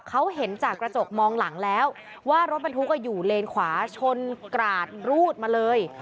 เขาเห็นจากกระจกมองหลังแล้วว่ารถบรรทุกอยู่เลนขวาชนกราดรูดมาเลย